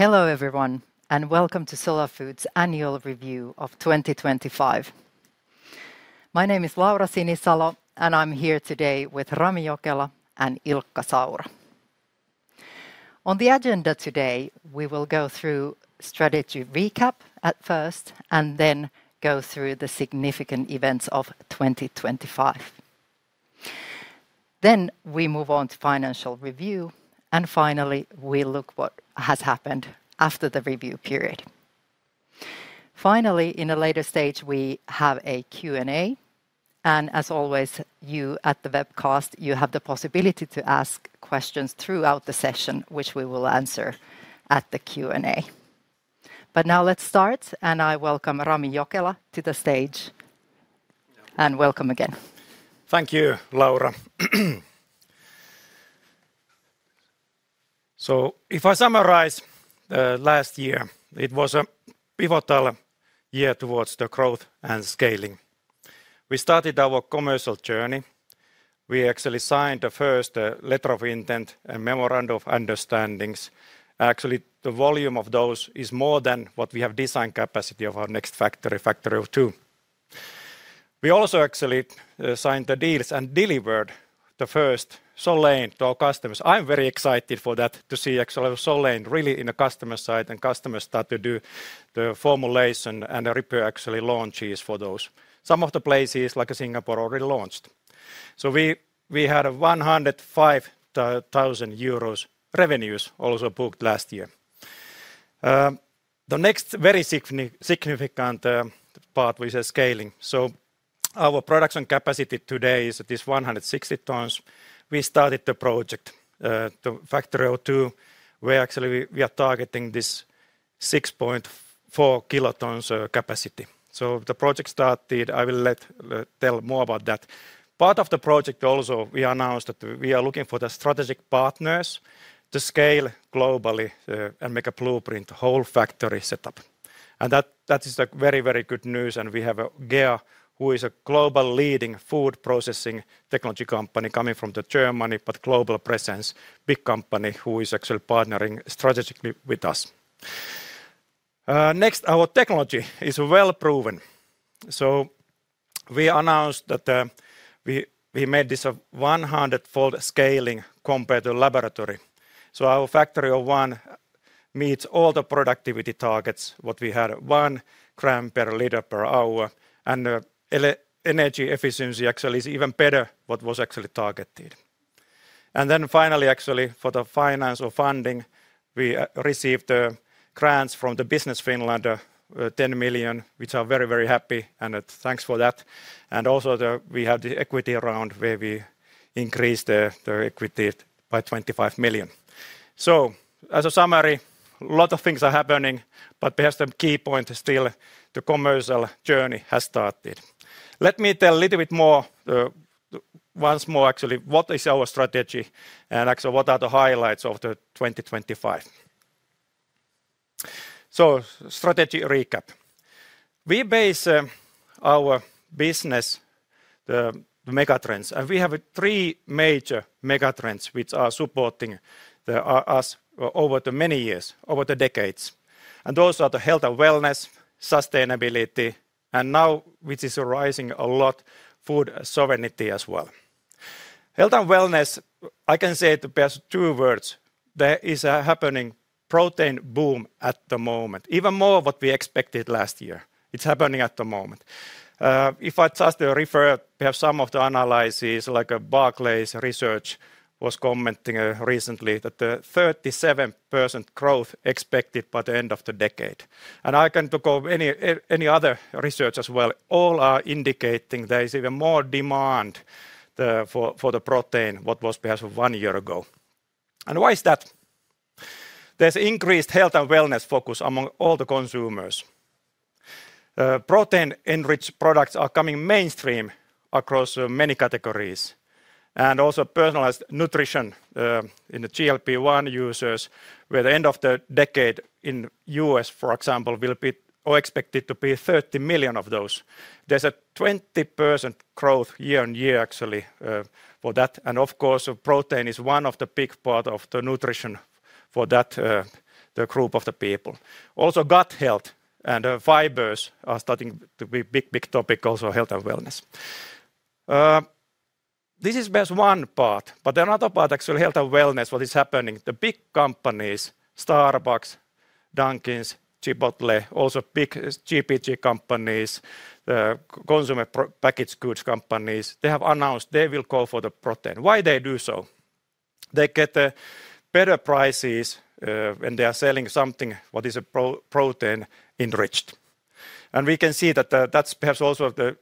Hello, everyone, welcome to Solar Foods annual review of 2025. My name is Laura Sinisalo, I'm here today with Rami Jokela and Ilkka Saura. On the agenda today, we will go through strategy recap at first, then go through the significant events of 2025. We move on to financial review, finally, we look what has happened after the review period. Finally, in a later stage, we have a Q&A, as always, you at the webcast, you have the possibility to ask questions throughout the session, which we will answer at the Q&A. Now let's start, I welcome Rami Jokela to the stage. Welcome again. Thank you, Laura. If I summarize, last year, it was a pivotal year towards the growth and scaling. We started our commercial journey. We actually signed the first letter of intent and memorandum of understandings. Actually, the volume of those is more than what we have design capacity of our next factory, Factory 02. We also actually signed the deals and delivered the first Solein to our customers. I'm very excited for that, to see actually Solein really in the customer side, and customers start to do the formulation and prepare actually launches for those. Some of the places, like Singapore, already launched. We had 105 thousand euros revenues also booked last year. The next very significant part, which is scaling. Our production capacity today is this 160 tons. We started the project, the Factory 02, where actually we are targeting this 6.4 kilotons capacity. The project started, I will tell more about that. Part of the project also, we announced that we are looking for the strategic partners to scale globally and make a blueprint, whole factory setup. That is a very, very good news, and we have GEA, who is a global leading food processing technology company coming from Germany, but global presence, big company, who is actually partnering strategically with us. Next, our technology is well proven. We announced that we made this a 100-fold scaling compared to laboratory. Our Factory 01 meets all the productivity targets, what we had, 1 gram per liter per hour, and energy efficiency actually is even better, what was actually targeted. Finally, actually, for the financial funding, we received the grants from Business Finland, 10 million, which are very, very happy, and thanks for that. We have the equity around where we increased the equity by 25 million. As a summary, a lot of things are happening, but perhaps the key point is still the commercial journey has started. Let me tell a little bit more, once more, actually, what is our strategy and actually what are the highlights of 2025. Strategy recap. We base our business, the megatrends. We have three major megatrends which are supporting us over the many years, over the decades. Those are the health and wellness, sustainability, and now, which is rising a lot, food sovereignty as well. Health and wellness, I can say the best two words. There is a happening protein boom at the moment, even more what we expected last year. It's happening at the moment. If I just refer, we have some of the analysis, like Barclays research was commenting recently that the 37% growth expected by the end of the decade. I can think of any other research as well. All are indicating there is even more demand for the protein, what was perhaps one year ago. Why is that? There's increased health and wellness focus among all the consumers. Protein-enriched products are coming mainstream across many categories, and also personalized nutrition in the GLP-1 users, where the end of the decade in U.S., for example, will be or expected to be 30 million of those. There's a 20% growth year-on-year, actually, for that, and of course, protein is one of the big part of the nutrition for that, the group of the people. Gut health and fibers are starting to be a big topic, also, health and wellness. This is just one part, but another part, actually, health and wellness, what is happening, the big companies, Starbucks, Dunkin', Chipotle, also big CPG companies, consumer packaged goods companies, they have announced they will go for the protein. Why they do so? They get better prices when they are selling something what is a protein enriched. We can see that that's perhaps also the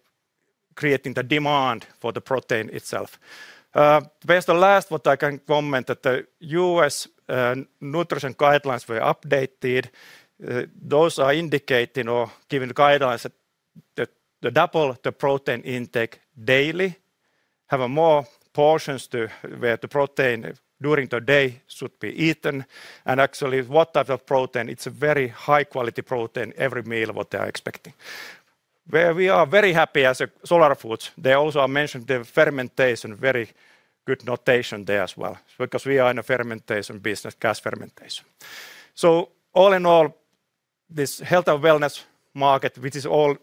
creating the demand for the protein itself. Perhaps the last what I can comment, that the U.S. nutrition guidelines were updated. Those are indicating or giving guidelines that the double the protein intake daily, have a more portions to where the protein during the day should be eaten, and actually, what type of protein, it's a very high quality protein, every meal, what they are expecting. Where we are very happy as a Solar Foods, they also are mentioned the fermentation, very good notation there as well, because we are in a fermentation business, gas fermentation. All in all, this health and wellness market, which is all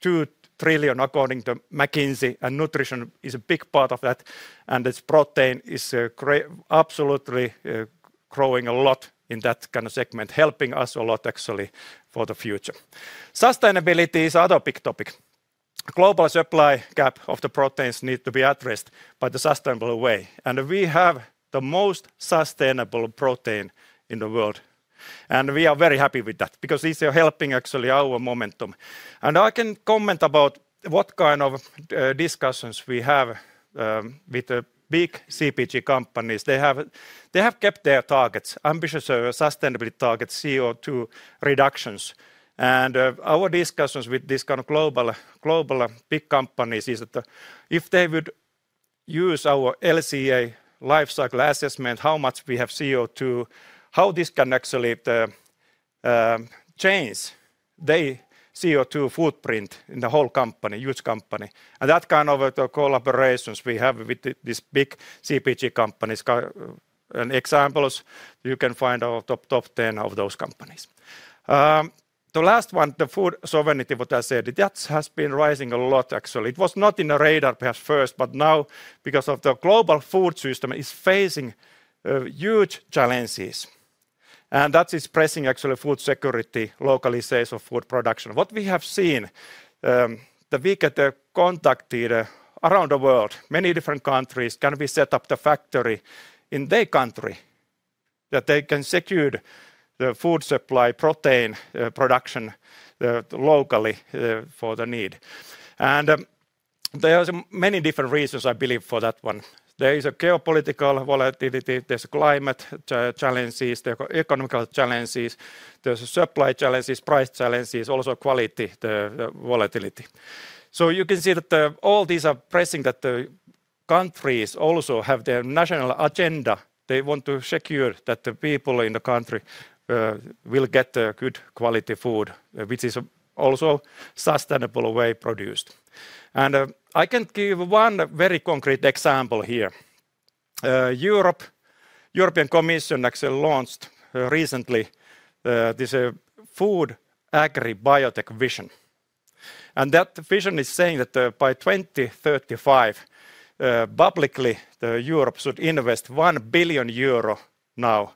2 trillion according to McKinsey, and nutrition is a big part of that, and this protein is absolutely growing a lot in that kind of segment, helping us a lot actually for the future. Sustainability is other big topic. Global supply gap of the proteins need to be addressed by the sustainable way, and we have the most sustainable protein in the world, and we are very happy with that because this is helping actually our momentum. I can comment about what kind of discussions we have with the big CPG companies. They have kept their targets, ambitious sustainability targets, CO₂ reductions. Our discussions with these kind of global big companies is that if they would use our LCA, life cycle assessment, how much we have CO₂, how this can actually change their CO₂ footprint in the whole company, huge company. That kind of collaborations we have with the, these big CPG companies. Examples, you can find our top ten of those companies. The last one, the food sovereignty, what I said, that has been rising a lot, actually. It was not in the radar perhaps first, but now because of the global food system is facing huge challenges, and that is pressing actually food security, localization of food production. What we have seen, the week at the contacted around the world, many different countries, can we set up the factory in their country, that they can secure the food supply, protein production locally for the need. There are many different reasons, I believe, for that one. There is a geopolitical volatility, there's climate challenges, there are economical challenges, there's supply challenges, price challenges, also quality, the volatility. You can see that all these are pressing, that the countries also have their national agenda. They want to secure that the people in the country will get good quality food, which is also sustainable way produced. I can give one very concrete example here. Europe, European Commission actually launched recently this food agribiotech vision. That vision is saying that by 2035, publicly, Europe should invest 1 billion euro now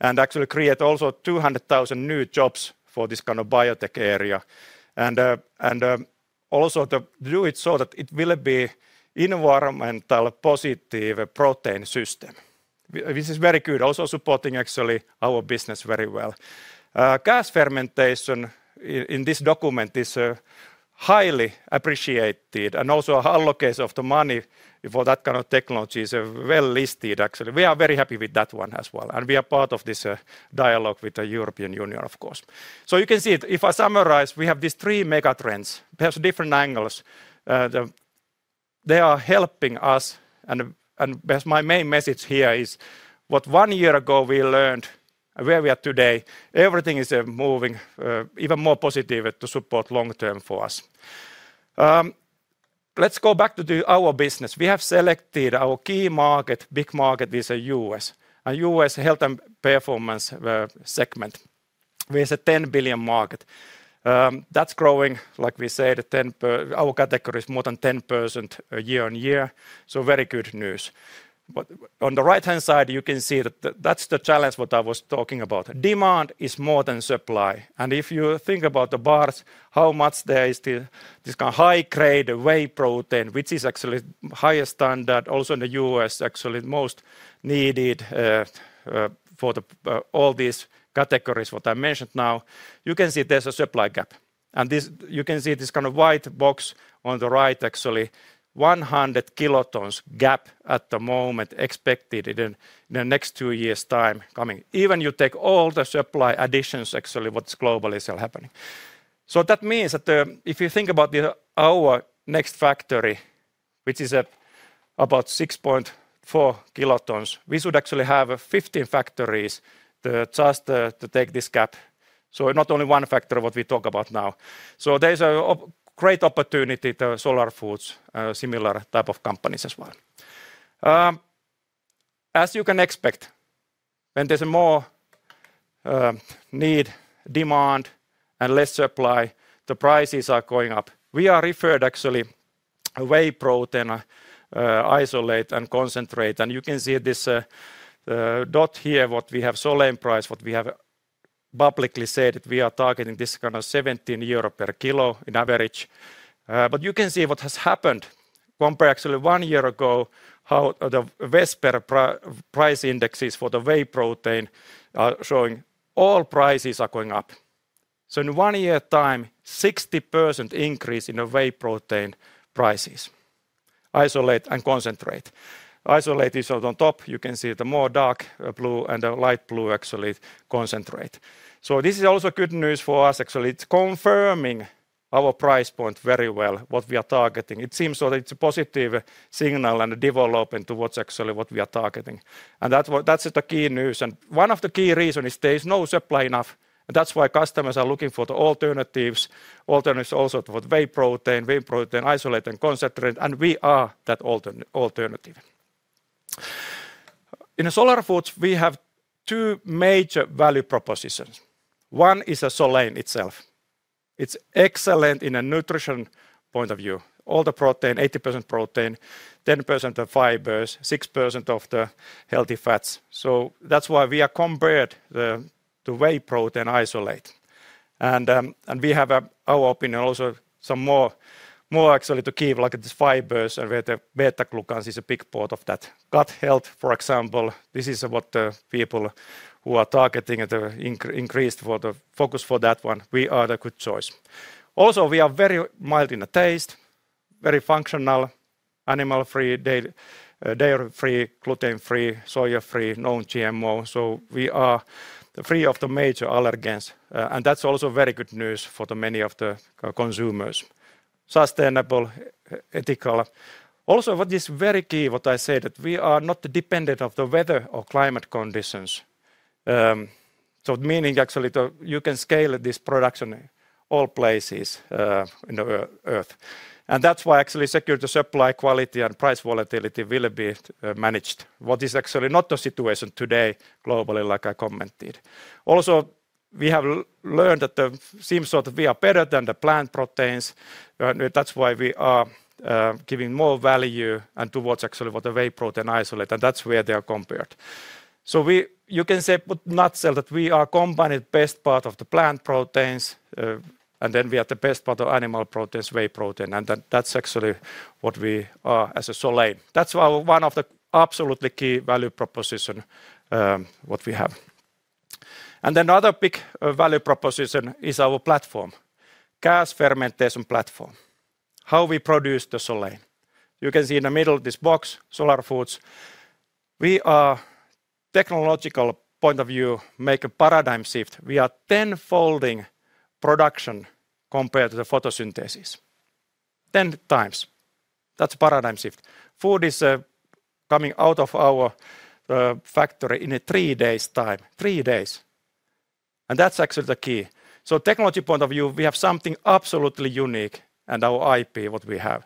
and actually create also 200,000 new jobs for this kind of biotech area. Also to do it so that it will be environmentally positive protein system, which is very good, also supporting actually our business very well. Gas fermentation in this document is highly appreciated, and also an allocation of the money for that kind of technology is well-listed, actually. We are very happy with that one as well, and we are part of this dialogue with the European Union, of course. You can see, if I summarize, we have these three mega trends, perhaps different angles. They are helping us, and as my main message here is, what one year ago we learned, where we are today, everything is moving even more positive to support long term for us. Let's go back to the our business. We have selected our key market, big market is a U.S. A U.S. health and performance segment with a $10 billion market. That's growing, like we said, our category is more than 10% year on year, so very good news. On the right-hand side, you can see that's the challenge what I was talking about. Demand is more than supply, if you think about the bars, how much there is still this kind of high-grade whey protein, which is actually higher standard, also in the U.S., actually most needed for the all these categories what I mentioned now. You can see there's a supply gap, you can see this kind of white box on the right, actually, 100 kilotons gap at the moment expected in the next two years' time coming. Even you take all the supply additions, actually, what's globally still happening. That means that, if you think about our next factory, which is about 6.4 kilotons, we should actually have 15 factories just to take this gap. Not only one factor, what we talk about now. There's a great opportunity to Solar Foods, similar type of companies as well. As you can expect, when there's more need, demand, and less supply, the prices are going up. We are referred actually whey protein isolate and concentrate, and you can see this dot here, what we have sole price, what we have publicly said that we are targeting this kind of 17 euro per kilo in average. You can see what has happened compared actually one year ago, how the Vesper price index for the whey protein are showing all prices are going up. In one year time 60% increase in the whey protein prices, isolate and concentrate. Isolate is on top, you can see the more dark blue and the light blue actually concentrate. This is also good news for us, actually. It's confirming our price point very well, what we are targeting. It seems that it's a positive signal and a development towards actually what we are targeting, and that's the key news. One of the key reason is there is no supply enough, and that's why customers are looking for the alternatives also for whey protein, whey protein isolate and concentrate, and we are that alternative. In Solar Foods, we have two major value propositions. One is a Solein itself. It's excellent in a nutrition point of view. All the protein, 80% protein, 10% of fibers, 6% of the healthy fats. That's why we are compared the whey protein isolate. We have our opinion also some more actually to give, like, these fibers and where the beta-glucan is a big part of that. Gut health, for example, this is what the people who are targeting at the increased for the focus for that one, we are the good choice. We are very mild in the taste, very functional, animal-free, dairy-free, gluten-free, soya-free, non-GMO. We are free of the major allergens, that's also very good news for the many of the consumers. Sustainable, ethical. What is very key, what I said, that we are not dependent of the weather or climate conditions. Meaning actually you can scale this production all places in the Earth. That's why actually secure the supply quality and price volatility will be managed. What is actually not the situation today globally, like I commented. We have learned that it seems that we are better than the plant proteins, and that's why we are giving more value and towards actually what the whey protein isolate, and that's where they are compared. We you can say, but not say, that we are combining best part of the plant proteins, and then we are the best part of animal proteins, whey protein, and that's actually what we are as a Solein. That's one of the absolutely key value proposition what we have. Another big value proposition is our platform, gas fermentation platform, how we produce the Solein. You can see in the middle of this box, Solar Foods, we are technological point of view, make a paradigm shift. We are 10-folding production compared to the photosynthesis. 10 times. That's a paradigm shift. Food is coming out of our factory in a three days time. Three days, that's actually the key. Technology point of view, we have something absolutely unique, and our IP, what we have.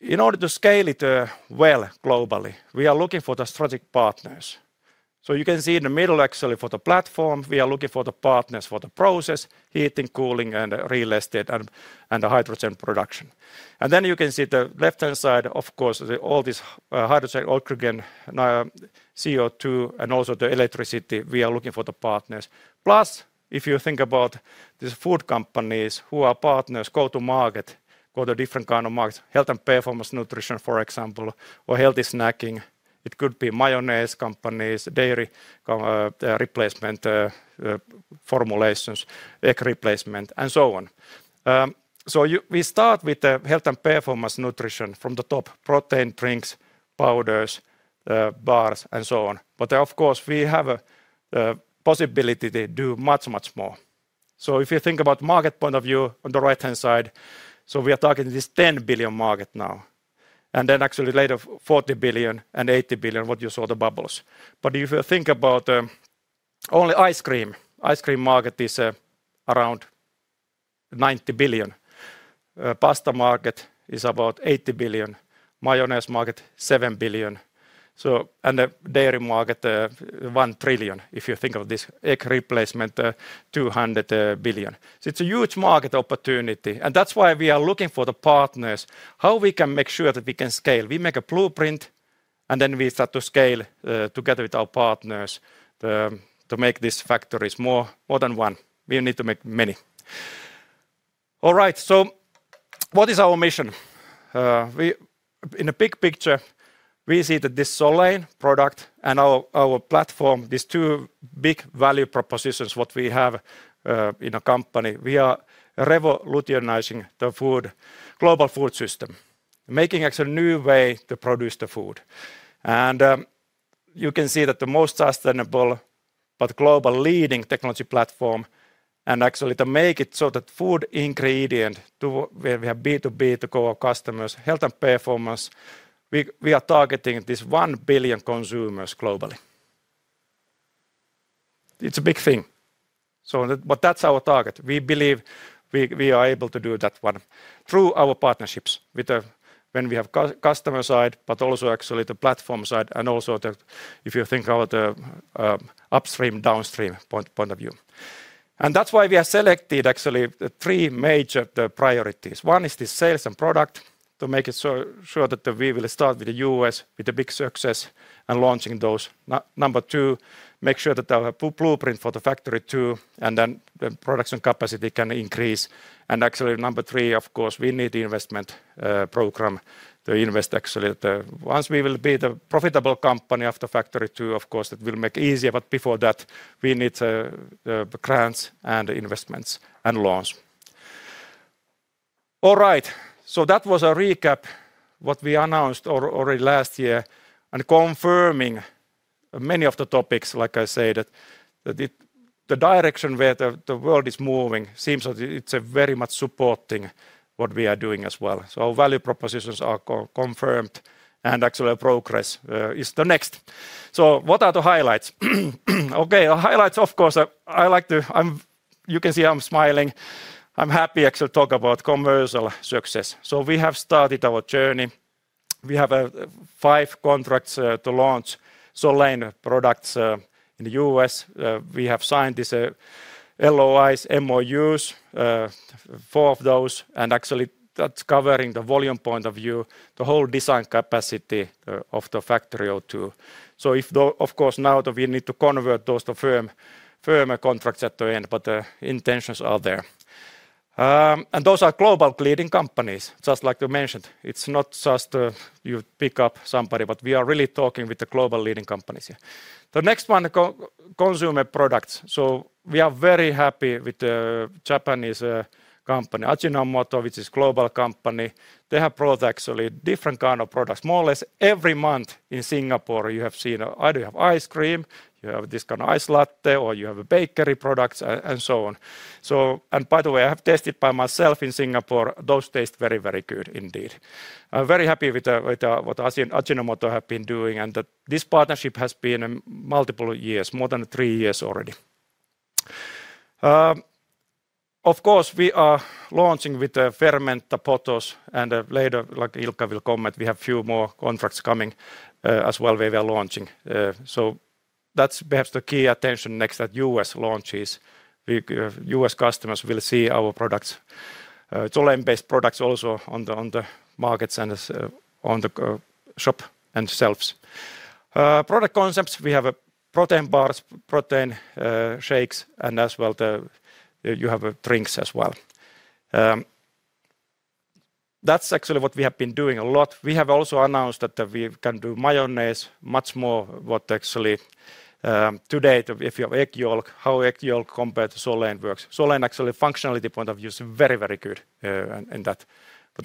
In order to scale it, well globally, we are looking for the strategic partners. You can see in the middle, actually, for the platform, we are looking for the partners for the process, heating, cooling, and real estate, and the hydrogen production. You can see the left-hand side, of course, the all this hydrogen, oxygen, CO₂, and also the electricity, we are looking for the partners. Plus, if you think about these food companies who are partners, go to market, go to different kind of markets, health and performance nutrition, for example, or healthy snacking. It could be mayonnaise companies, dairy replacement, formulations, egg replacement, and so on. We start with the health and performance nutrition from the top: protein drinks, powders, bars, and so on. Of course, we have a possibility to do much, much more. If you think about market point of view on the right-hand side, we are talking this $10 billion market now, and then actually later, $40 billion and $80 billion, what you saw the bubbles. If you think about only ice cream, ice cream market is around $90 billion. Pasta market is about $80 billion, mayonnaise market, $7 billion, and the dairy market, $1 trillion. If you think of this egg replacement, $200 billion. It's a huge market opportunity, and that's why we are looking for the partners, how we can make sure that we can scale. We make a blueprint, then we start to scale together with our partners to make these factories more than one. We need to make many. All right, what is our mission? In a big picture, we see that this Solein product and our platform, these two big value propositions, what we have in a company, we are revolutionizing the food, global food system, making actually a new way to produce the food. You can see that the most sustainable, but global leading technology platform, and actually to make it so that food ingredient to where we have B2B, to go our customers, health and performance, we are targeting this 1 billion consumers globally. It's a big thing, that's our target. We believe we are able to do that one through our partnerships with the when we have customer side, but also actually the platform side, and also the, if you think about upstream, downstream point of view. That's why we have selected actually the three major priorities. One is the sales and product to make it so sure that we will start with the U.S., with the big success and launching those. Number two, make sure that the blueprint for the Factory 02, and then the production capacity can increase. Actually, number three, of course, we need the investment program to invest, actually. Once we will be the profitable company of the Factory 02, of course, it will make easier, but before that, we need grants and investments and loans. All right. That was a recap, what we announced or already last year, and confirming many of the topics, like I said, that the direction where the world is moving seems it's very much supporting what we are doing as well. Value propositions are co-confirmed and actually progress is the next. What are the highlights? Okay, highlights, of course. You can see I'm smiling. I'm happy actually to talk about commercial success. We have started our journey. We have five contracts to launch Solein products in the U.S. We have signed these LOIs, MOUs, four of those, and actually, that's covering the volume point of view, the whole design capacity of the Factory 02. Of course, now we need to convert those to firm contracts at the end, but the intentions are there. Those are global leading companies, just like you mentioned. It's not just you pick up somebody, but we are really talking with the global leading companies here. The next one, consumer products. We are very happy with the Japanese company, Ajinomoto, which is global company. They have products, actually, different kind of products. More or less every month in Singapore, you have seen either you have ice cream, you have this kind of iced latte, or you have a bakery products, and so on. And by the way, I have tested by myself in Singapore, those taste very, very good indeed. I'm very happy with what Ajinomoto have been doing, and that this partnership has been multiple years, more than three years already. Of course, we are launching with Fermenta, Pothos, and later, like Ilkka will comment, we have a few more contracts coming as well where we are launching. That's perhaps the key attention next, that U.S. launch is. U.S. customers will see our products, Solein-based products also on the markets and as on the shop and shelves. Product concepts, we have protein bars, protein shakes, and as well, you have drinks as well. That's actually what we have been doing a lot. We have also announced that we can do mayonnaise much more, what actually, today, if you have egg yolk, how egg yolk compared to Solein works. Solein actually, functionality point of view, is very, very good in that.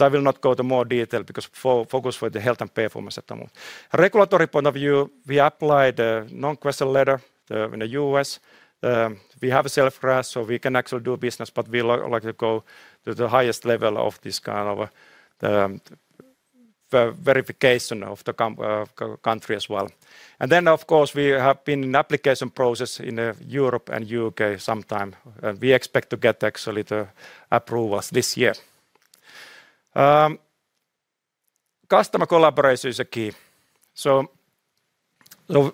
I will not go to more detail because focus for the health and performance at the moment. Regulatory point of view, we applied a No Questions Letter in the U.S. We have a self-GRAS, so we can actually do business, but we like to go to the highest level of this kind of verification of the country as well. Then, of course, we have been in application process in Europe and U.K. sometime, and we expect to get actually the approvals this year. Customer collaboration is a key. Now,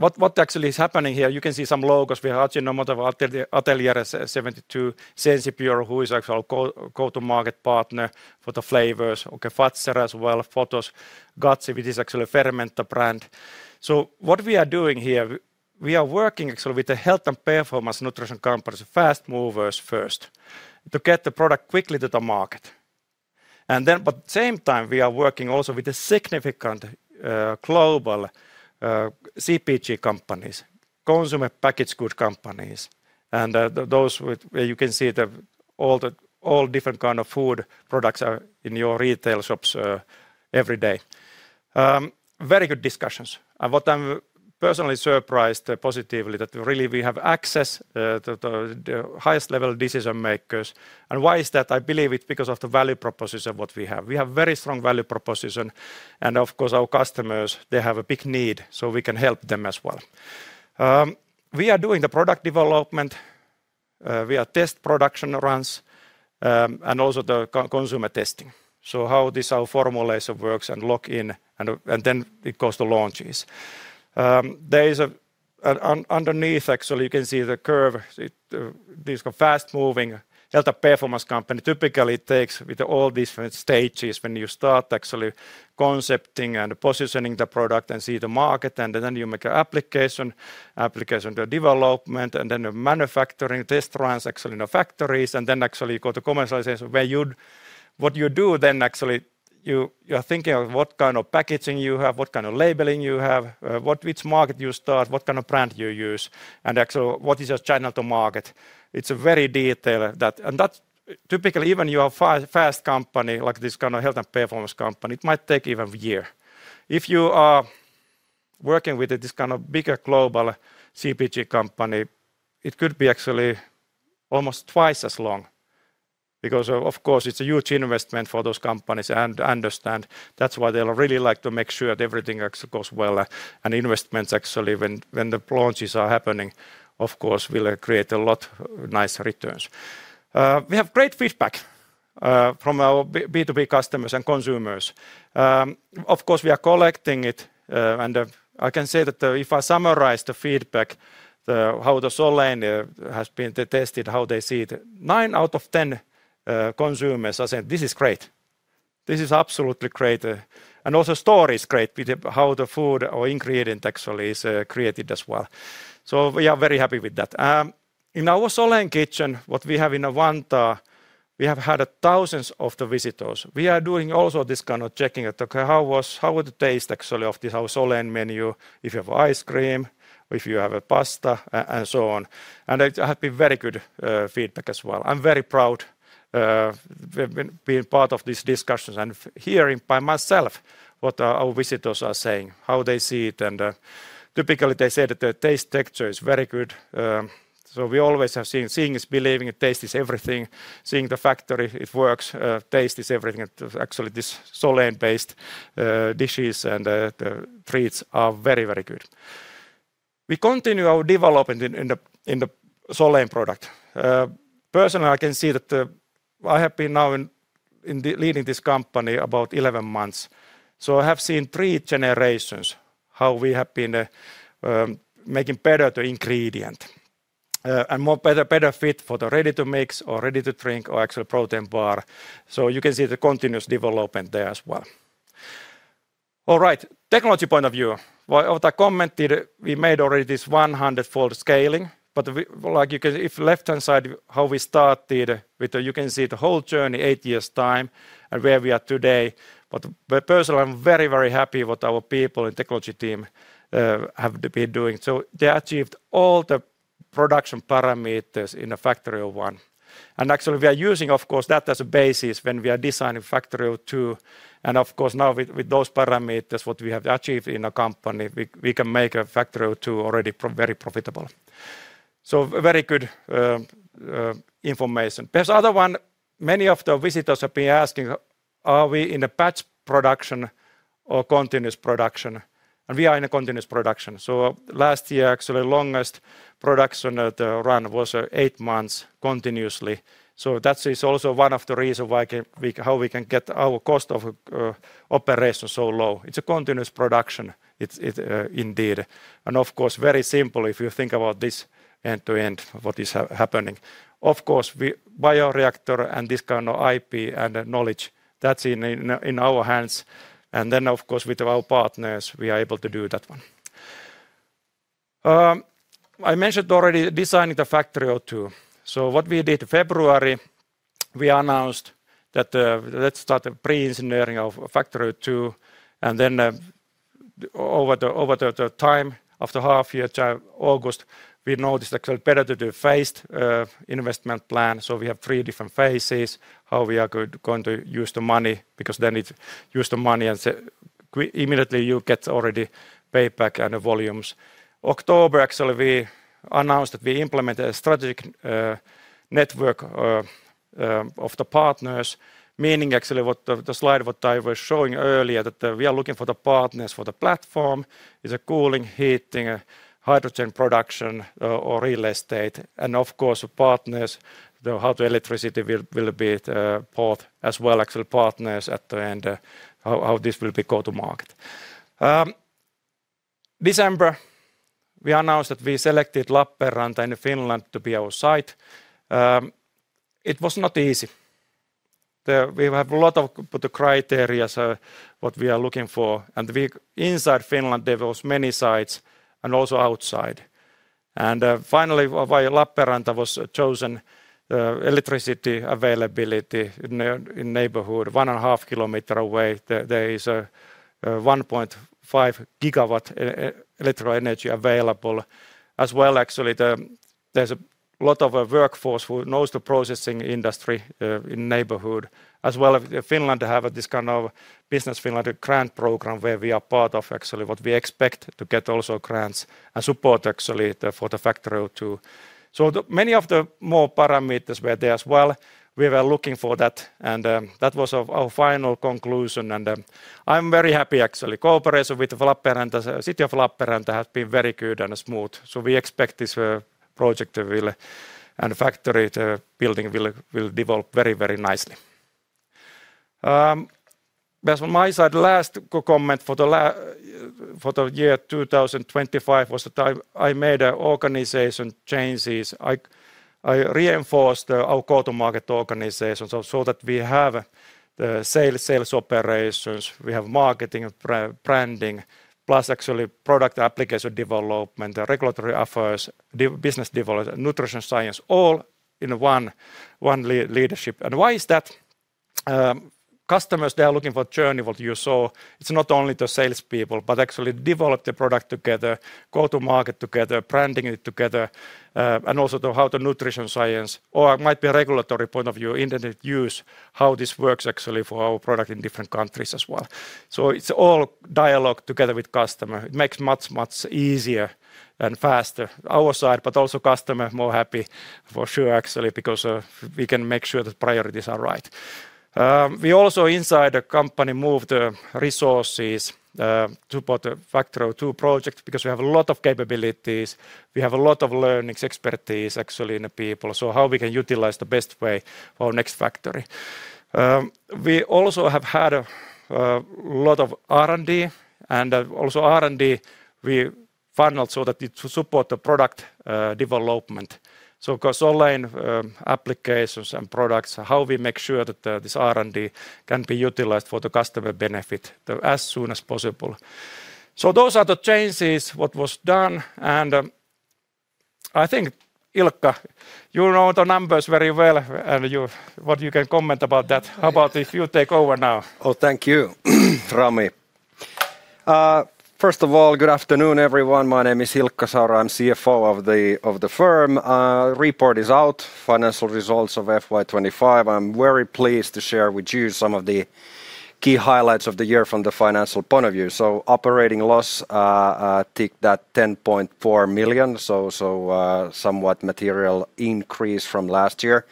what actually is happening here, you can see some logos. We have Ajinomoto, Atlr.72, Sensapure, who is actually our go-to-market partner for the flavors. Okay, Fazer as well, Pohtos, Gutsy, which is actually a Fermenta brand. What we are doing here, we are working actually with the health and performance nutrition companies, fast movers first, to get the product quickly to the market. At the same time, we are working also with the significant global CPG companies, consumer packaged goods companies, and you can see the all different kind of food products are in your retail shops every day. Very good discussions, and what I'm personally surprised positively, that really we have access to the highest level decision makers. Why is that? I believe it's because of the value proposition what we have. We have very strong value proposition, and of course, our customers, they have a big need, so we can help them as well. We are doing the product development, we are test production runs, and also the consumer testing. How this, our formulation works and lock in, and then it goes to launches. There is a, underneath, actually, you can see the curve, this fast-moving health and performance company typically takes with all these different stages when you start actually concepting and positioning the product and see the market, then you make an application to development, and then the manufacturing, test runs, actually, in the factories, and then actually you go to commercialization, where you'd. What you do then, actually, you're thinking of what kind of packaging you have, what kind of labeling you have, which market you start, what kind of brand you use, and actually, what is your channel to market. It's a very detailed that's typically even you are fast company, like this kind of health and performance company, it might take even a year. If you are working with this kind of bigger global CPG company, it could be actually almost twice as long because, of course, it's a huge investment for those companies, and I understand that's why they'll really like to make sure that everything actually goes well, and investments, actually, when the launches are happening, of course, will create a lot nice returns. We have great feedback from our B2B customers and consumers. Of course, we are collecting it, and I can say that if I summarize the feedback, how the Solein has been tested, how they see it, nine out of 10 consumers are saying, "This is great. This is absolutely great." Also story is great, with how the food or ingredient actually is created as well. We are very happy with that. In our Solein kitchen, what we have in Vantaa, we have had thousands of the visitors. We are doing also this kind of checking that, okay, how was the taste, actually, of this, our Solein menu, if you have ice cream, if you have a pasta, and so on. It have been very good feedback as well. I'm very proud, being part of these discussions and hearing by myself what our visitors are saying, how they see it, and typically, they say that the taste texture is very good. We always have seen, seeing is believing, taste is everything. Seeing the factory, it works. Taste is everything. Actually, this Solein-based dishes and the treats are very good. We continue our development in the Solein product. Personally, I can see that I have been now in the leading this company about 11 months, so I have seen three generations, how we have been making better the ingredient, and more better fit for the ready-to-mix or ready-to-drink or actual protein bar. You can see the continuous development there as well. All right, technology point of view. What I commented, we made already this 100-fold scaling. Like, you can see the whole journey, eight years' time, and where we are today. Personally, I'm very happy what our people and technology team have been doing. They achieved all the production parameters in Factory 01. Actually, we are using, of course, that as a basis when we are designing Factory 02. Of course, now with those parameters what we have achieved in our company, we can make a Factory 02 already very profitable. Very good information. There's other one many of the visitors have been asking: Are we in a batch production or continuous production? We are in a continuous production. Last year, actually, longest production run was eight months continuously. That is also one of the reason how we can get our cost of operation so low. It's a continuous production. It's indeed, and of course, very simple if you think about this end-to-end, what is happening. Of course, bioreactor and this kind of IP and knowledge, that's in our hands, and then, of course, with our partners, we are able to do that one. I mentioned already designing the Factory 02. What we did February, we announced that, let's start a pre-engineering of Factory 02, and then, over the time, after half year time, August, we noticed actually better to do phased investment plan. We have three different phases, how we are going to use the money, because then it use the money, and we immediately you get already payback and the volumes. October, actually, we announced that we implemented a strategic network of the partners, meaning actually what the slide what I was showing earlier, that we are looking for the partners for the platform. Is it cooling, heating, hydrogen production, or real estate? Of course, partners, the how the electricity will be bought as well, actually, partners at the end, how this will be go to market. December, we announced that we selected Lappeenranta in Finland to be our site. It was not easy. We have a lot of the criterias, what we are looking for, and we... Inside Finland, there was many sites and also outside. Finally, why Lappeenranta was chosen, electricity availability in neighborhood. 1.5 km away, there is a 1.5 GW electric energy available. As well, actually, there's a lot of a workforce who knows the processing industry in neighborhood, as well as Finland have this kind of Business Finland grant program, where we are part of actually, what we expect to get also grants and support actually for the Factory 02. The many of the more parameters were there as well. We were looking for that was our final conclusion, I'm very happy, actually. Cooperation with Lappeenranta, city of Lappeenranta, has been very good and smooth, so we expect this project will and factory, the building will develop very, very nicely. From my side, last co-comment for the year 2025 was that I made organization changes. I reinforced our go-to-market organization so that we have sales operations, we have marketing and branding, plus actually product application development, regulatory affairs, business development, nutrition science, all in one leadership. Why is that? Customers, they are looking for journey, what you saw. It's not only the salespeople, but actually develop the product together, go to market together, branding it together, and also the how the nutrition science or it might be a regulatory point of view in the use, how this works actually for our product in different countries as well. It's all dialogue together with customer. It makes much, much easier and faster our side, also customer more happy for sure, actually, because we can make sure the priorities are right. We also, inside the company, moved resources to support the Factory 02 project because we have a lot of capabilities. We have a lot of learnings, expertise, actually, in the people. How we can utilize the best way our next factory? We also have had a lot of R&D, also R&D, we funneled so that it support the product development. Of course, online, applications and products, how we make sure that this R&D can be utilized for the customer benefit as soon as possible. Those are the changes, what was done, I think, Ilkka, you know the numbers very well, what you can comment about that. How about if you take over now? Thank you, Rami. First of all, good afternoon, everyone. My name is Ilkka Saura. I'm CFO of the firm. Report is out, financial results of FY 2025. I'm very pleased to share with you some of the key highlights of the year from the financial point of view. Operating loss ticked at 10.4 million, so somewhat material increase from last year.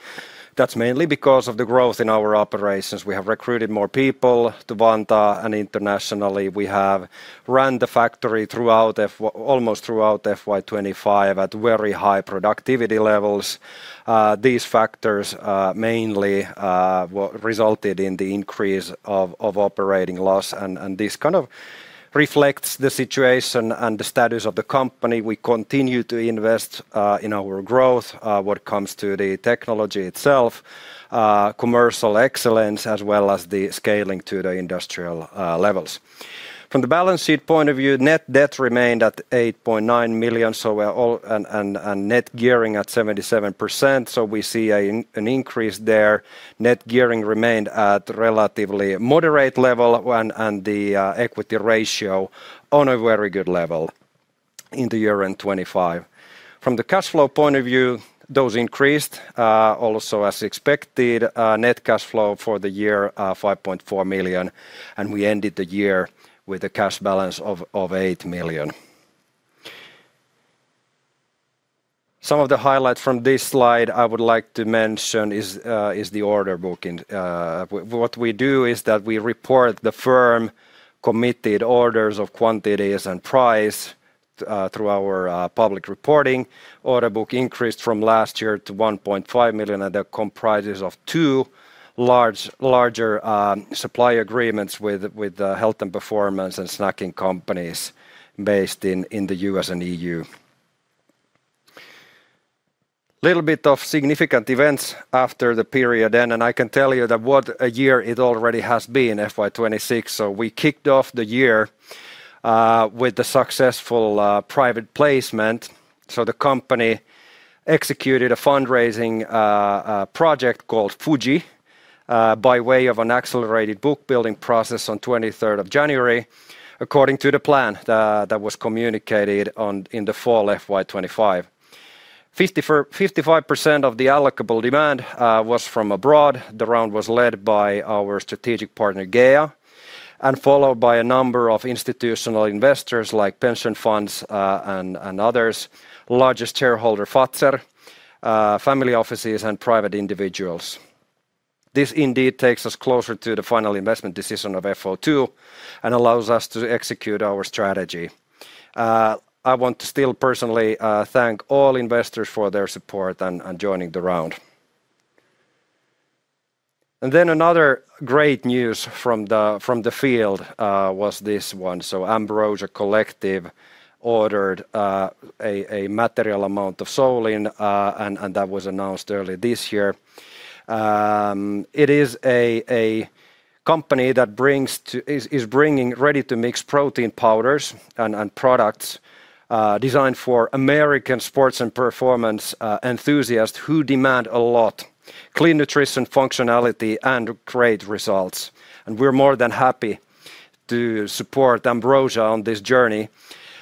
That's mainly because of the growth in our operations. We have recruited more people to Vantaa and internationally. We have ran the factory almost throughout FY 2025 at very high productivity levels. These factors mainly resulted in the increase of operating loss, and this kind of reflects the situation and the status of the company. We continue to invest in our growth when it comes to the technology itself, commercial excellence, as well as the scaling to the industrial levels. From the balance sheet point of view, net debt remained at 8.9 million, net gearing at 77%. We see an increase there. Net gearing remained at relatively moderate level and the equity ratio on a very good level in the year end 2025. From the cash flow point of view, those increased also as expected. Net cash flow for the year, 5.4 million, and we ended the year with a cash balance of 8 million. Some of the highlights from this slide I would like to mention is the order booking. What we do is that we report the firm committed orders of quantities and price through our public reporting. Order book increased from last year to 1.5 million. That comprises of two large, larger supply agreements with health and performance, and snacking companies based in the U.S. and EU. Little bit of significant events after the period end. I can tell you that what a year it already has been, FY 2026. We kicked off the year with the successful private placement, so the company executed a fundraising project called Fuji by way of an accelerated book-building process on 23rd of January, according to the plan that was communicated in the fall FY 2025. 55% of the allocable demand was from abroad. The round was led by our strategic partner, GEA, and followed by a number of institutional investors, like pension funds, and others, largest shareholder, Fazer, family offices and private individuals. This indeed takes us closer to the final investment decision of F02 and allows us to execute our strategy. I want to still personally thank all investors for their support and joining the round. Another great news from the field was this one. Ambrosia Collective ordered a material amount of Solein, and that was announced earlier this year. It is a company that is bringing ready-to-mix protein powders and products designed for American sports and performance enthusiasts who demand a lot: clean nutrition, functionality, and great results. We're more than happy to support Ambrosia on this journey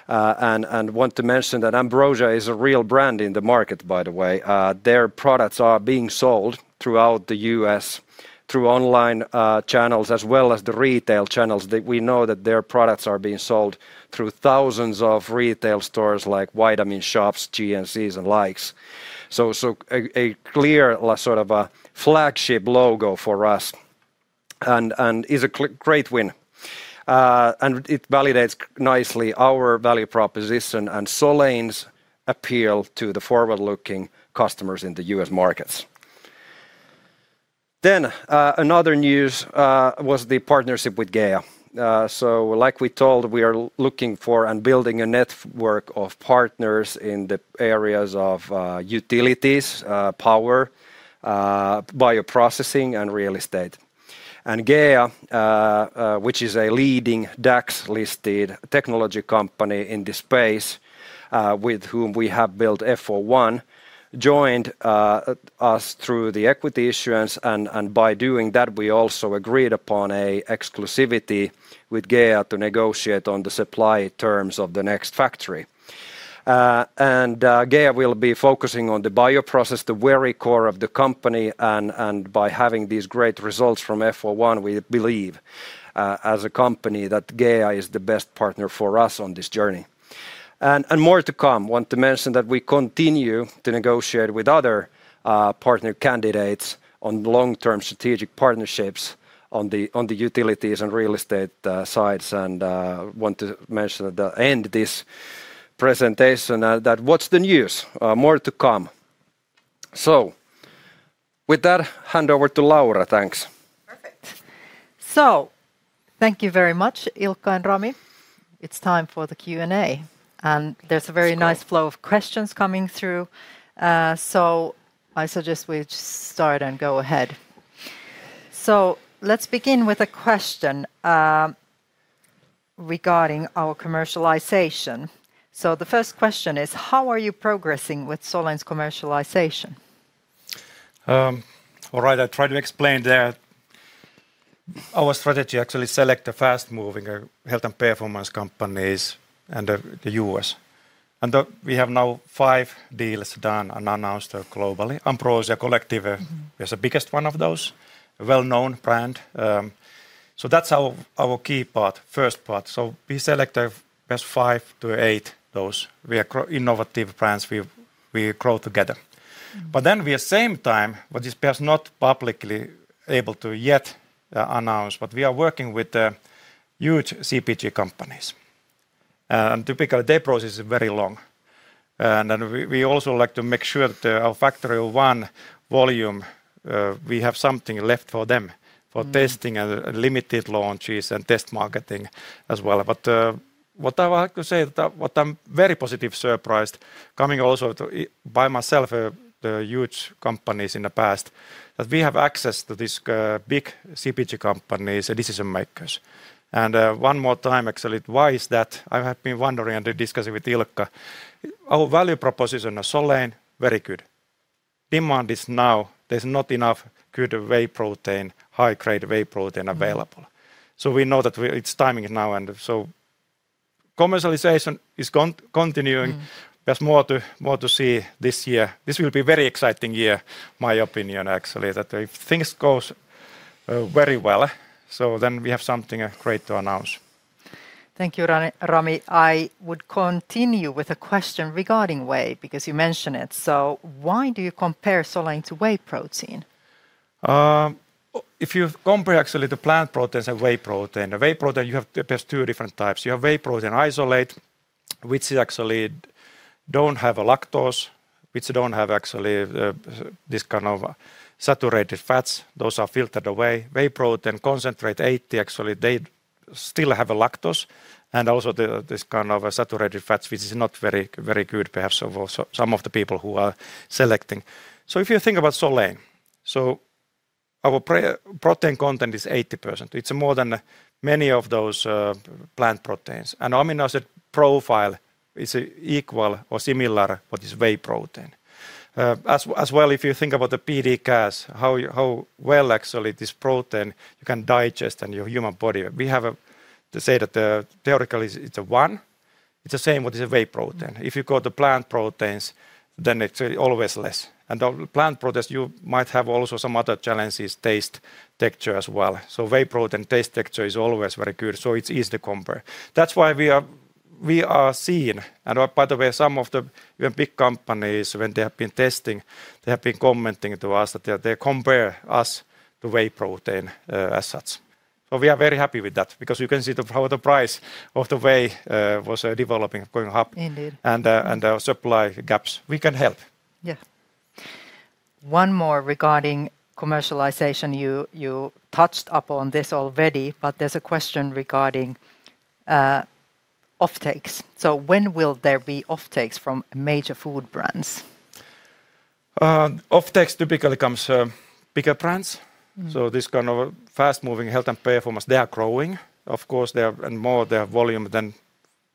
and want to mention that Ambrosia is a real brand in the market, by the way. Their products are being sold throughout the U.S. through online channels as well as the retail channels. We know that their products are being sold through thousands of retail stores, like The Vitamin Shoppe, GNCs, and likes. A clear sort of a flagship logo for us and is a great win. It validates nicely our value proposition and Solein's appeal to the forward-looking customers in the U.S. markets. Another news was the partnership with GEA. Like we told, we are looking for and building a network of partners in the areas of utilities, power, bioprocessing, and real estate. GEA, which is a leading DAX-listed technology company in this space, with whom we have built F01, joined us through the equity issuance. By doing that, we also agreed upon an exclusivity with GEA to negotiate on the supply terms of the next factory. GEA will be focusing on the bioprocess, the very core of the company, and by having these great results from F01, we believe as a company, that GEA is the best partner for us on this journey. More to come, want to mention that we continue to negotiate with other partner candidates on long-term strategic partnerships on the utilities and real estate sides. Want to mention at the end this presentation, that what's the news? More to come. With that, hand over to Laura. Thanks. Perfect. Thank you very much, Ilkka and Rami. It's time for the Q&A. There's a nice flow of questions coming through. I suggest we just start and go ahead. Let's begin with a question regarding our commercialization. The first question is: how are you progressing with Solein's commercialization? All right, I'll try to explain that. Our strategy actually select the fast-moving, health and performance companies and, the U.S. The we have now five deals done and announced globally. Ambrosia Collective is the biggest one of those, a well-known brand. That's our key part, first part. We select best five to eight those. We are innovative brands we grow together. We at same time, what is perhaps not publicly able to yet announce, but we are working with huge CPG companies. Typically, their process is very long, and we also like to make sure that our Factory 01 volume, we have something left for them for testing and limited launches and test marketing as well. What I would like to say that what I'm very positive surprised, coming also by myself, the huge companies in the past, that we have access to this big CPG companies and decision makers. One more time, actually, why is that? I have been wondering and discussing with Ilkka. Our value proposition of Solein, very good. Demand is now, there's not enough good whey protein, high-grade whey protein available. We know that it's timing now, and commercialization is continuing. There's more to see this year. This will be very exciting year, my opinion, actually, that if things goes, very well, so then we have something, great to announce. Thank you, Rami. I would continue with a question regarding whey, because you mentioned it. Why do you compare Solein to whey protein? If you compare actually the plant proteins and whey protein, the whey protein, you have perhaps two different types. You have whey protein isolate, which actually don't have lactose, which don't have actually this kind of saturated fats. Those are filtered away. Whey Protein Concentrate 80, actually, they still have lactose and also this kind of saturated fats, which is not very, very good perhaps for some of the people who are selecting. If you think about Solein, our protein content is 80%. It's more than many of those plant proteins. Amino acid profile is equal or similar with this whey protein. As well, if you think about the PDCAAS, how well actually this protein you can digest in your human body. We have to say that the theoretical is, it's a one, it's the same with as whey protein. Mm. If you go to plant proteins, then it's always less. Plant proteins, you might have also some other challenges, taste, texture as well. Whey protein taste texture is always very good, so it's easy to compare. That's why we are seeing... By the way, some of the even big companies, when they have been testing, they have been commenting to us that they compare us to whey protein, as such. We are very happy with that because you can see the how the price of the whey was developing, going up- Indeed... and the supply gaps. We can help. Yeah. One more regarding commercialization. You touched upon this already, but there's a question regarding offtakes. When will there be offtakes from major food brands? Offtakes typically comes, bigger brands. Mm. This kind of fast-moving health and performance, they are growing. Of course, they are... More their volume than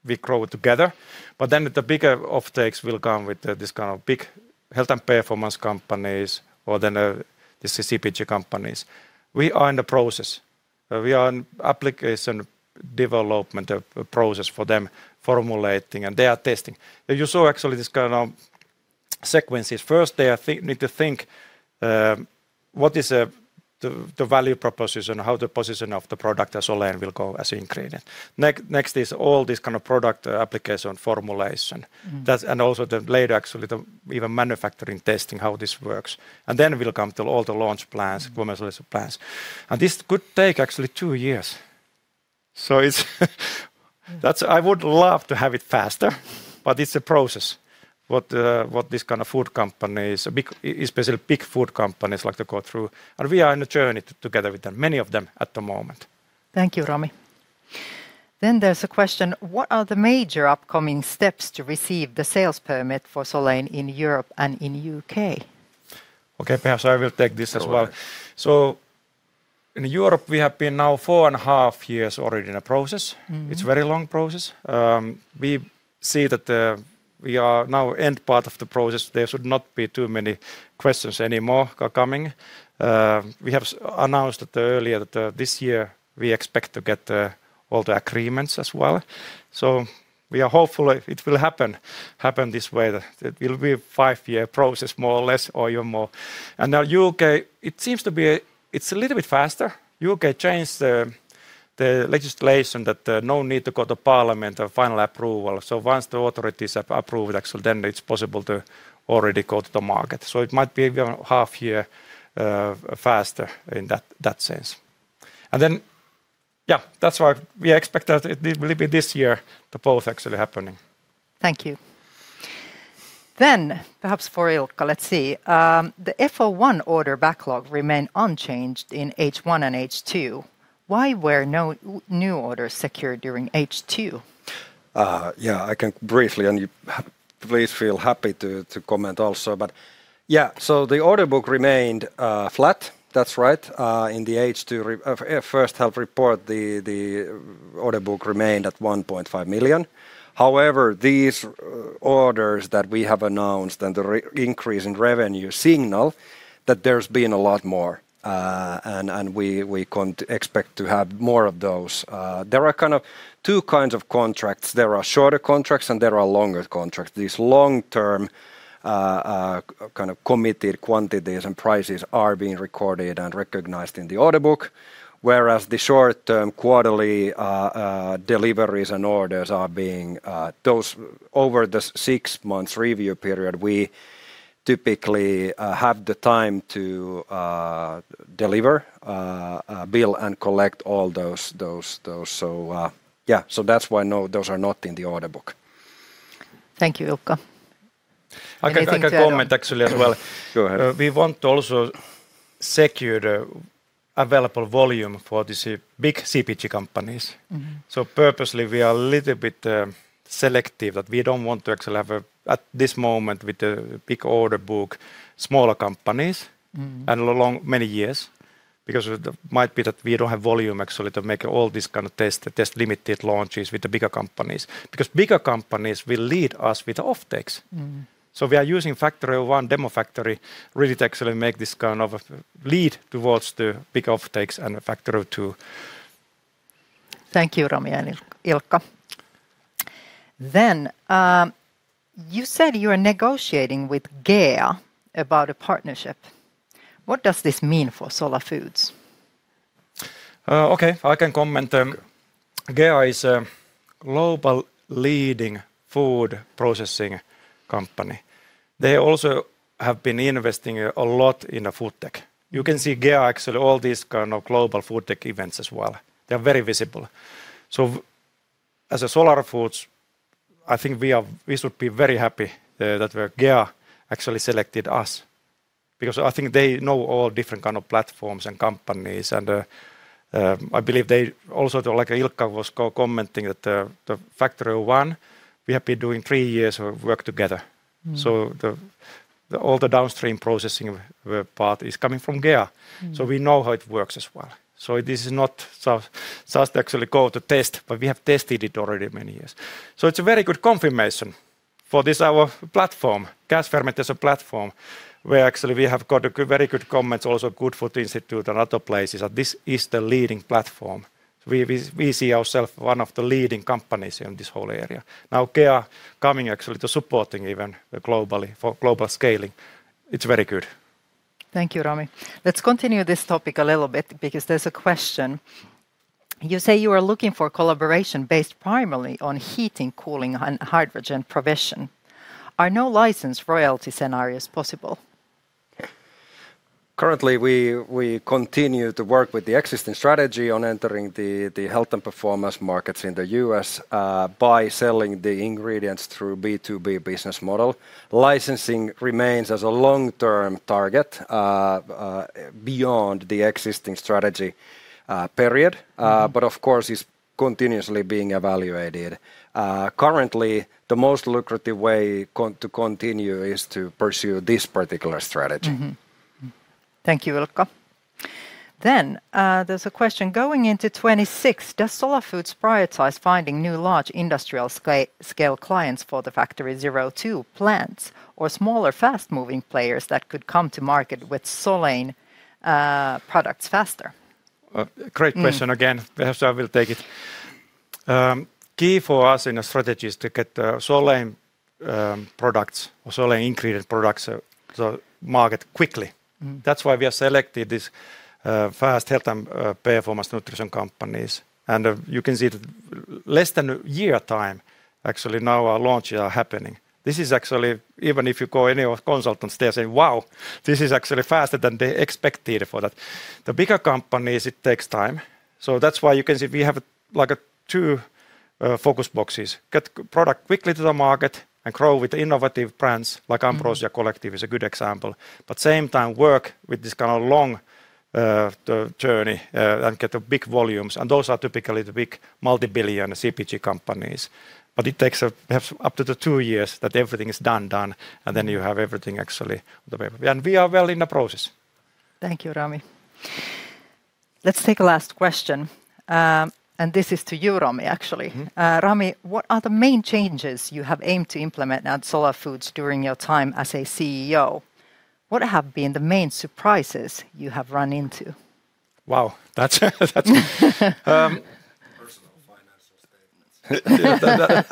we grow together. The bigger offtakes will come with this kind of big health and performance companies or than the CPG companies. We are in the process. We are in application development of process for them, formulating, and they are testing. You saw actually this kind of sequences. First, they, I think, need to think what is the value proposition, how the position of the product as Solein will go as ingredient. Next is all this kind of product application formulation. Mm. That, also the later, actually, the even manufacturing, testing, how this works. Then we'll come to all the launch plans, commercialization plans, this could take actually two years. It's, that's. I would love to have it faster, but it's a process what this kind of food companies, big, especially big food companies like to go through. We are in a journey together with them, many of them at the moment. Thank you, Rami. There's a question: What are the major upcoming steps to receive the sales permit for Solein in Europe and in U.K.? Okay, perhaps I will take this as well. Sure. In Europe, we have been now four and a half years already in the process. Mm-hmm. It's very long process. We see that we are now end part of the process. There should not be too many questions anymore coming. We have announced that earlier that this year we expect to get all the agreements as well. We are hopeful it will happen this way, that it will be a five-year process, more or less, or even more. Now U.K., it seems to be, it's a little bit faster. U.K. changed the legislation that there no need to go to parliament for final approval. Once the authorities have approved it, actually, then it's possible to already go to the market. It might be half year faster in that sense. Then, yeah, that's why we expect that it will be this year, the both actually happening. Thank you. Perhaps for Ilkka, let's see. The F01 order backlog remained unchanged in H1 and H2. Why were no new orders secured during H2? Yeah, I can briefly, and you please feel happy to comment also. The order book remained flat. That's right. In the H2 first half report, the order book remained at 1.5 million. However, these orders that we have announced and the increase in revenue signal that there's been a lot more, and we can't expect to have more of those. There are kind of two kinds of contracts. There are shorter contracts, and there are longer contracts. These long-term, kind of committed quantities and prices are being recorded and recognized in the order book, whereas the short-term, quarterly deliveries and orders are being... Those over the six months review period, we typically have the time to deliver, bill and collect all those. Yeah, that's why, no, those are not in the order book. Thank you, Ilkka. I can comment actually as well. Go ahead. We want to also secure the available volume for these big CPG companies. Mm-hmm. Purposely, we are a little bit selective, that we don't want to actually have at this moment, with the big order book, smaller companies- Mm... and along many years because it might be that we don't have volume actually to make all this kind of test limited launches with the bigger companies. Bigger companies will lead us with offtakes. Mm. We are using Factory 01 demo factory really to actually make this kind of a lead towards the big offtakes and the Factory 02. Thank you, Rami and Ilkka. You said you are negotiating with GEA about a partnership. What does this mean for Solar Foods? Okay, I can comment. GEA is a global leading food processing company. They also have been investing a lot in the food tech. You can see GEA actually at all these kind of global food tech events as well. They're very visible. As a Solar Foods, I think we should be very happy that GEA actually selected us because I think they know all different kind of platforms and companies, and I believe they also, like Ilkka was co-commenting, that the Factory 01, we have been doing three years of work together. Mm. All the downstream processing part is coming from GEA. Mm We know how it works as well. This is not so, just actually go to test, but we have tested it already many years. It's a very good confirmation for this, our platform, gas fermentation platform, where actually we have got very good comments, also The Good Food Institute and other places, that this is the leading platform. We see ourself one of the leading companies in this whole area. GEA coming actually to supporting even globally for global scaling, it's very good. Thank you, Rami. Let's continue this topic a little bit because there's a question. You say you are looking for collaboration based primarily on heating, cooling, and hydrogen provision. Are no license royalty scenarios possible? Currently, we continue to work with the existing strategy on entering the health and performance markets in the U.S. by selling the ingredients through B2B business model. Licensing remains as a long-term target beyond the existing strategy period, but of course, is continuously being evaluated. Currently, the most lucrative way to continue is to pursue this particular strategy. Mm-hmm. Thank you, Ilkka. There's a question: Going into 2026, does Solar Foods prioritize finding new, large industrial scale clients for the Factory 02 plants or smaller, fast-moving players that could come to market with Solein products faster? Great question again. Mm. Perhaps I will take it. Key for us in our strategy is to get Solein products or Solein ingredient products to market quickly. Mm. That's why we have selected this fast health and performance nutrition companies. You can see that less than a year time, actually now our launches are happening. This is actually. Even if you go any of consultants, they are saying, "Wow, this is actually faster than they expected for that." The bigger companies, it takes time, so that's why you can see we have, like two focus boxes: Get product quickly to the market and grow with innovative brands, like Ambrosia Collective is a good example. Same time, work with this kind of long journey and get the big volumes, and those are typically the big multi-billion CPG companies. It takes perhaps up to two years that everything is done, and then you have everything actually the way. We are well in the process. Thank you, Rami. Let's take a last question. This is to you, Rami, actually. Mm-hmm. Rami, what are the main changes you have aimed to implement at Solar Foods during your time as a CEO? What have been the main surprises you have run into? Wow, that's! Personal financial statements.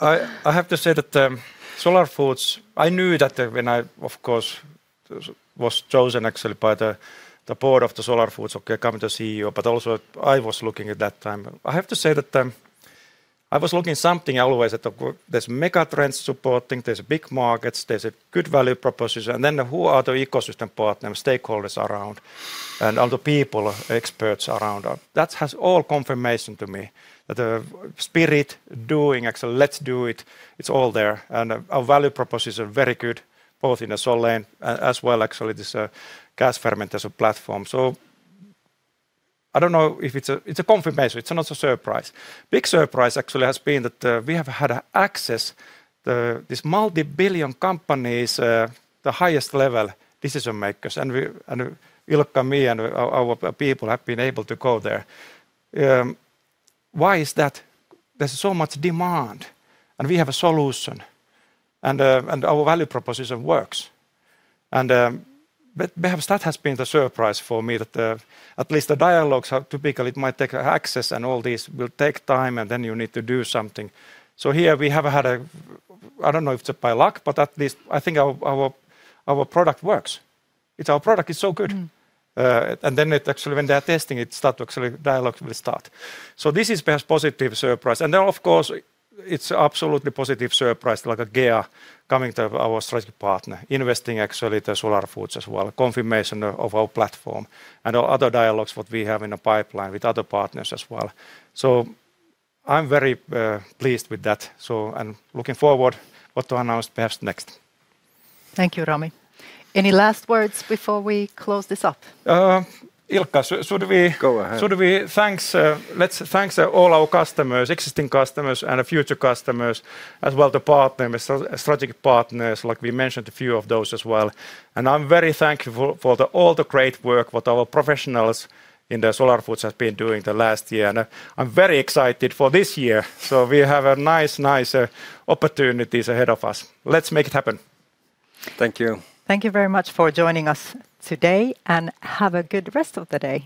I have to say that Solar Foods, I knew that when I, of course, was chosen actually by the board of Solar Foods, okay, becoming the CEO, but also I was looking at that time. I have to say that I was looking something always there's mega trends supporting, there's big markets, there's a good value proposition, and then who are the ecosystem partners, stakeholders around, and all the people, experts around us. That has all confirmation to me, that the spirit doing, actually, let's do it's all there, and our value proposition are very good, both in the Solein as well actually this gas fermentation platform. I don't know if it's a confirmation. It's not a surprise. Big surprise actually has been that we have had a access this multi-billion companies, the highest level decision-makers, and we, and Ilkka, me, and our people have been able to go there. Why is that? There's so much demand, and we have a solution, and our value proposition works. Perhaps that has been the surprise for me, that at least the dialogues are typical. It might take access, and all this will take time, and then you need to do something. Here we have had I don't know if it's by luck, but at least I think our product works. It's our product is so good. Mm It actually, when they are testing it, start to actually, dialogue will start. This is perhaps positive surprise. Of course, it's absolutely positive surprise, like a GEA coming to our strategy partner, investing actually the Solar Foods as well, confirmation of our platform and our other dialogues what we have in the pipeline with other partners as well. I'm very, pleased with that, so, and looking forward what to announce perhaps next. Thank you, Rami. Any last words before we close this up? Ilkka, should... Go ahead.... should we thanks, let's thanks all our customers, existing customers, and future customers, as well the partners, so strategic partners, like we mentioned a few of those as well. I'm very thankful for the all the great work what our professionals in the Solar Foods have been doing the last year, and I'm very excited for this year. We have a nice opportunities ahead of us. Let's make it happen. Thank you. Thank you very much for joining us today, and have a good rest of the day!